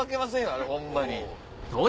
あれホンマに。